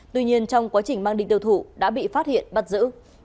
tuy nhiên trong quá trình mang đi tiêu thụ đã bị phát hiện bắt giữ